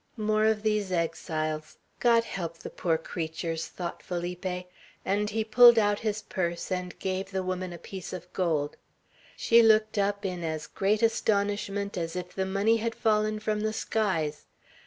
"More of these exiles. God help the poor creatures!" thought Felipe; and he pulled out his purse, and gave the woman a piece of gold. She looked up in as great astonishment as if the money had fallen from the skies.